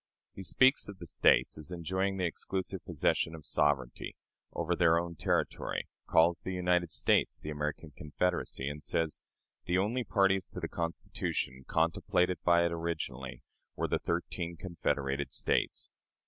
He speaks of the States as enjoying "the exclusive possession of sovereignty" over their own territory, calls the United States "the American Confederacy," and says, "The only parties to the Constitution, contemplated by it originally, were the thirteen confederated States."